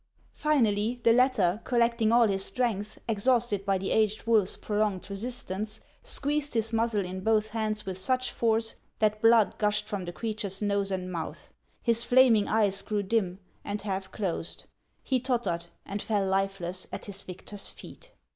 Finally, the latter, collecting all his strength, exhausted by the aged wolf's prolonged resistance, squeezed his muzzle in both hands with such force that blood gushed from the creature's nose and mouth ; his flaming eyes grew dim, and half closed ; he tottered, and fell lifeless at his victor's feet.